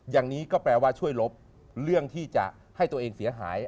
อย่างนี้ก็แปลว่าช่วยลบเรื่องที่จะให้ตัวเองเสียหาย